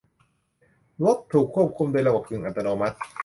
รถถูกควบคุมด้วยระบบกึ่งอัตโนมัติ